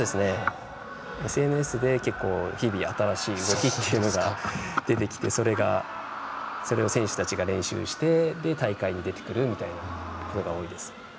ＳＮＳで結構、日々新しい動きっていうのが出てきてそれを選手たちが練習して大会に出てくるみたいなことが多いですね。